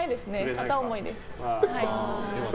片思いです。